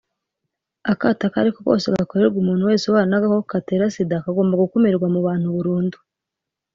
Akato ako ari ko kose gakorerwa umuntu wese ubana n’agakoko gatera Sida kagomba gukumirwa mu bantu burundu